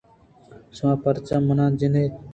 شما پرچا من ءَ جن اِت ؟